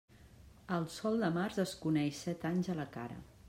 El sol de març es coneix set anys a la cara.